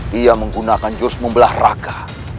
dia menggunakan jurus membelah raka